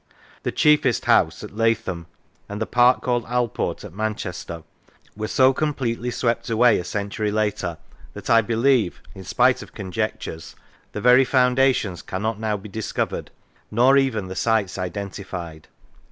The " chiefest house " at Lathom, and the " park called Alport " at Manchester, were so completely swept away a century later that I believe (in spite of conjectures) the very foundations cannot now be discovered, nor even the sites identified.